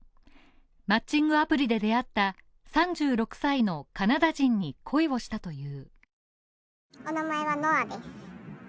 マッチングアプリで出会った３６歳のカナダ人に恋をしたという。